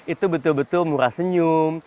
itu betul betul murah senyum